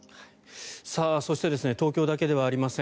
そして東京だけではありません。